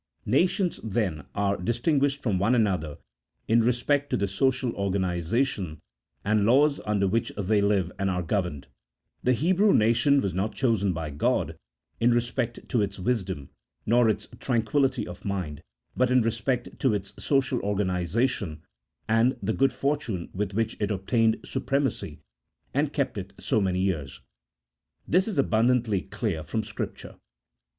Nations, then, are distinguished from one another in respect to the social organization and the laws under which they live and are governed ; the He brew nation was not chosen by God in respect to its wisdom nor its tranquillity of mind, but in respect to its social or ganization and the good fortune with which it obtained supremacy and kept it so many years. This is abundantly clear from Scripture.